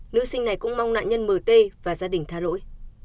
nữ sinh này cũng mong nạn nhân mở tê và gia đình tha lỗi